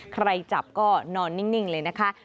ใครจับก็นอนนิ่งเลยนะคะ